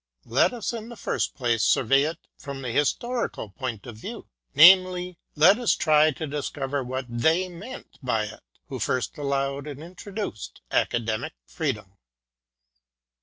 Let Q2 174 LECTURE VI. us, in the first place, survey it from the historical point of view, i. e. let us try to discover what they meant by it who first allowed and introduced Academic Freedom.